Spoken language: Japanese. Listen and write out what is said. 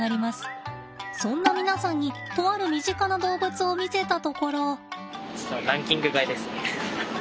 そんな皆さんにとある身近な動物を見せたところ。